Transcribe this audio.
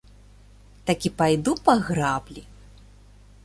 Такі пайду па граблі.